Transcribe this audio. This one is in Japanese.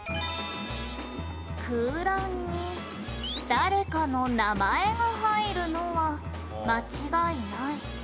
「空欄に誰かの名前が入るのは間違いない」